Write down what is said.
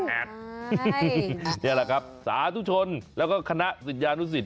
นี่แหละครับสาธุชนแล้วก็คณะศิษยานุสิต